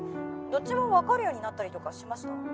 どっちも分かるようになったりとかしました？